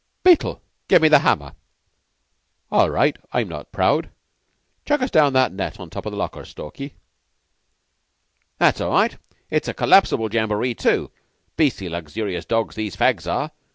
"Beetle, give me the hammer." "All right. I'm not proud. Chuck us down that net on top of the lockers, Stalky." "That's all right. It's a collapsible jamboree, too. Beastly luxurious dogs these fags are.